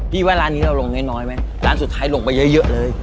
ว่าร้านนี้เราลงน้อยไหมร้านสุดท้ายลงไปเยอะเลย